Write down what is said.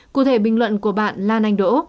cụ thể bình luận của bạn lan anh đỗ